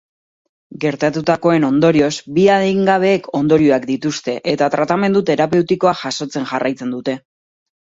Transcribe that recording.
Gertatutakoen ondorioz, bi adingabeek ondorioak dituzte eta tratamendu terapeutikoa jasotzen jarraitzen dute.